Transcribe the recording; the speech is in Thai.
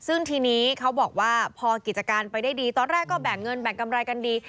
ซึ่งทีนี้เขาบอกว่าพอกิจการไปได้ดีตอนแรกก็แบ่งเงินแบ่งกำไรกันดี